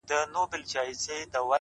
o يــاره مـدعـا يــې خوښه ســـوېده ـ